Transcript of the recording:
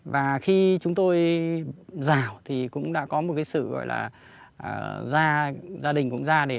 và khi chúng tôi rào thì cũng đã có một sự gọi là gia đình cũng ra để